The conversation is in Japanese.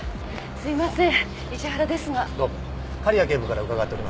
すいません。